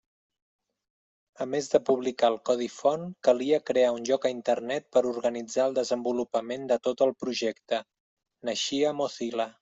A més de publicar el codi font calia crear un lloc a Internet per organitzar el desenvolupament de tot el projecte: naixia Mozilla.